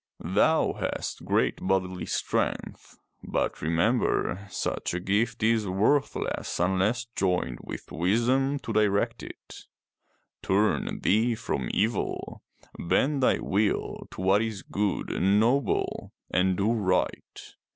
Thou hast great bodily strength, biit remember, ^such a gift is worthless unless joined with wisdom to direct it right. Turn thee from evil; bend thy will to what is good and noble, and do right.